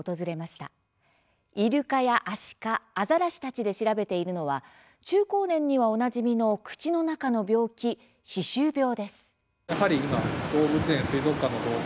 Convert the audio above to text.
イルカやアシカ、アザラシたちで調べているのは中高年には、おなじみの口の中の病気、「歯周病」です。